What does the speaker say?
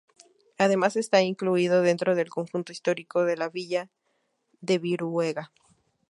Además está incluido dentro del Conjunto Histórico de la Villa de Brihuega.